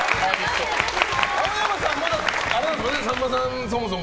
青山さんとさんまさんはそもそも。